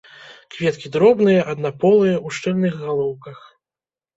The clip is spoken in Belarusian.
Кветкі дробныя, аднаполыя, у шчыльных галоўках.